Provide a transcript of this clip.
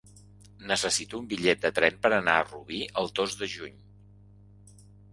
Necessito un bitllet de tren per anar a Rubí el dos de juny.